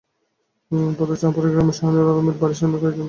পথে চাপুরী গ্রামের শাহীনূর আলমের বাড়ির সামনে কয়েকজন তাঁকে লাঞ্ছিত করেন।